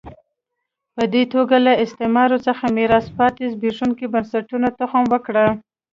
په دې توګه له استعمار څخه میراث پاتې زبېښونکو بنسټونو تخم وکره.